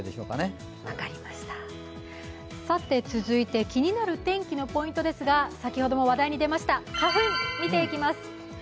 続いて気になる天気のポイントですが、先ほども話題に出ました、花粉見ていきます。